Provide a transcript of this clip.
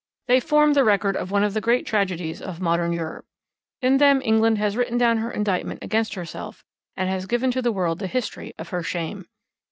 They form the record of one of the great tragedies of modern Europe. In them England has written down her indictment against herself and has given to the world the history of her shame.